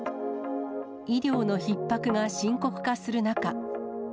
医療のひっ迫が深刻化する中。